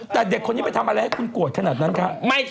แต่เด็กคนนี้ไปทำอะไรให้คุณโกรธขนาดนั้นคะ